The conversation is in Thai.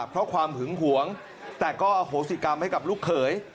เพราะความหึงหวงแต่ก็อโหสิกรรมให้กับลูกเขย